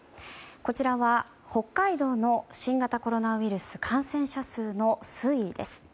こちらは北海道の新型コロナウイルス感染者数の推移です。